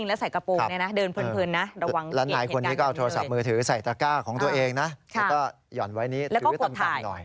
แล้วก็หย่อนไว้นี้ถือวิธีตำกันหน่อย